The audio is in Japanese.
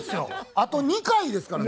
あと２回ですからね。